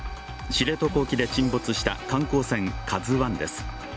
知床沖で沈没した観光船「ＫＡＺＵⅠ」です。